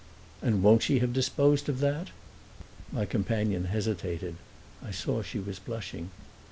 "And won't she have disposed of that?" My companion hesitated I saw she was blushing.